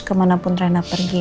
kemanapun reina pergi